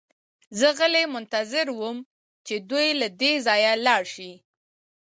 زه غلی منتظر وم چې دوی له دې ځایه لاړ شي